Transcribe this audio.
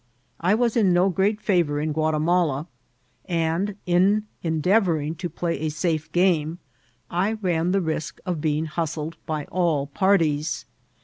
I was in no great favour in Guatimala, and in endeavouring to play a safe game I ran the risk of being hustled by all parties.